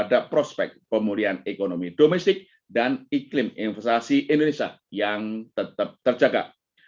dan kekuasaan ekonomi indonesia yang tetap terjaga